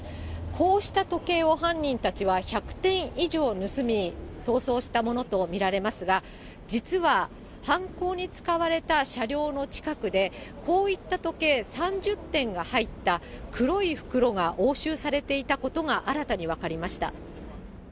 こうした時計を犯人たちは１００点以上盗み、逃走したものと見られますが、実は、犯行に使われた車両の近くで、こういった時計３０点が入った黒い袋が押収されていたことが新たに分かりました。